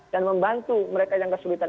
dan membantu mereka yang kesulitan